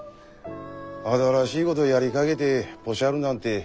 新しいごどやりかげでポシャるなんて